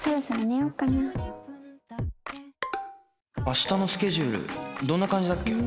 「明日のスケジュールどんな感じだっけ？」